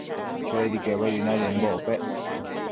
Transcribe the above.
Chuebi quebuedi nadimbocpec